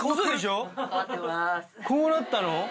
こうなったの⁉